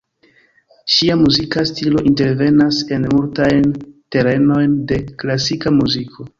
Ŝia muzika stilo intervenas en multajn terenojn de klasika muziko.